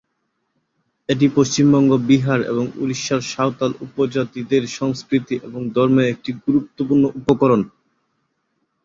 এটি পশ্চিমবঙ্গ, বিহার এবং ওড়িশার সাঁওতাল উপজাতিদের সংস্কৃতি এবং ধর্মের একটি গুরুত্বপূর্ণ উপকরণ।